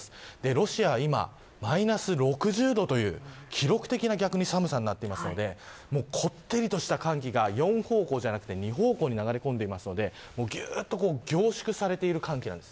ロシアはマイナス６０度という記録的な寒さになっているのでこってりとした寒気が４方向じゃなくて２方向に流れ込んでいるので凝縮されている寒気です。